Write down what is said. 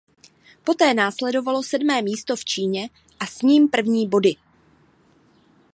Poté následovalo sedmé místo v Číně a s ním první body.